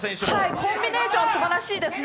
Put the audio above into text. コンビネーションすばらしいですね。